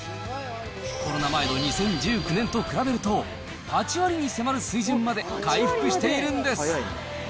コロナ前の２０１９年と比べると、８割に迫る水準まで回復しているんです。